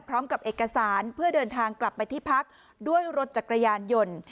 พร้อมกับเอกสารเพื่อเดินทางกลับไปที่พักด้วยรถจักรยานยนต์